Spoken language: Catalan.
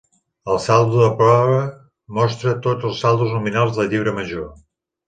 El saldo de prova mostra tots els saldos nominals del llibre major.